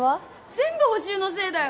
全部補習のせいだよ